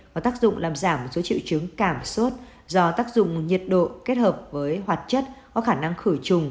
có tác dụng làm giảm một số triệu chứng cảm sốt do tác dụng nhiệt độ kết hợp với hoạt chất có khả năng khử trùng